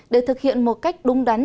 để thực hiện một cách đúng đắn